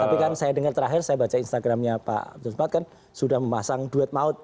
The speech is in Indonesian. tapi kan saya dengar terakhir saya baca instagramnya pak sumat kan sudah memasang duet maut